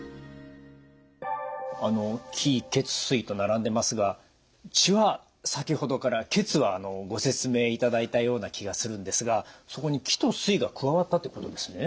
あの気・血・水と並んでますが血は先ほどから血はご説明いただいたような気がするんですがそこに気と水が加わったってことですね？